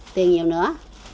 tiền nhiều nữa